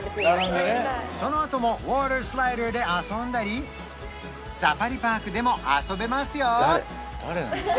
そのあともウォータースライダーで遊んだりサファリパークでも遊べますよ